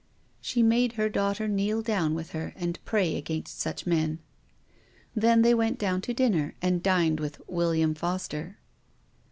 " She made her daughter kneel down with her and pray against such men. Then they went down to dinner, and dined with " William Foster."